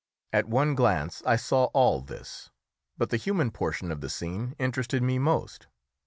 At one glance I saw all this; but the human portion of the scene interested me most.